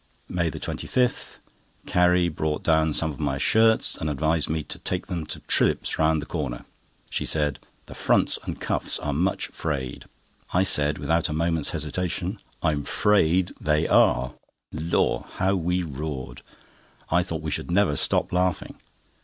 MAY 25.—Carrie brought down some of my shirts and advised me to take them to Trillip's round the corner. She said: "The fronts and cuffs are much frayed." I said without a moment's hesitation: "I'm 'frayed they are." Lor! how we roared. I thought we should never stop laughing.